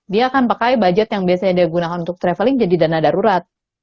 dia akan pakai budget yang biasanya dia gunakan untuk traveling jadi dana darurat